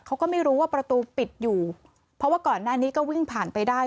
เขาก็ไม่รู้ว่าประตูปิดอยู่เพราะว่าก่อนหน้านี้ก็วิ่งผ่านไปได้